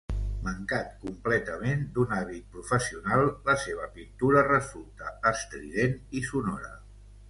Mancat completament d'un hàbit professional, la seva pintura resulta estrident i sonora.